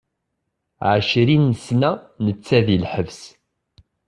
Ɛecrin-sna netta di lḥebs.